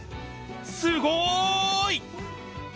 すごい！